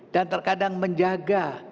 dan terkadang menjaga